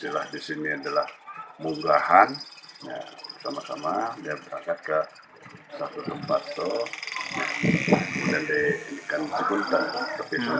kemudian di ikan cikunten